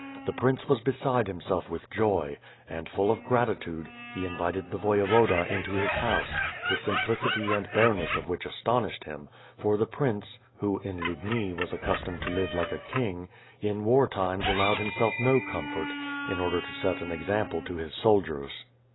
The prince was beside himself with joy; and, full of grati tude, he invited the Voyevoda into his house, the simplicity and bareness of which astonished him, for the prince, who in Lubni was accustomed to live like a king, in war times allowed himself no comfort, in order to set an example to 333 334 ^^^^^^^^^^^ SWORD. his soldiers.